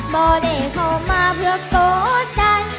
บอกได้เข้ามาเพื่อโกฎดัน